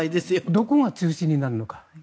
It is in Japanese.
どこが中心になるのか。